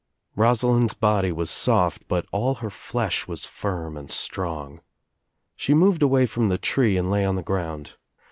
Rosalind's body was soft but all her flesh was firm and strong. She moved away from the tree and lay on the ground.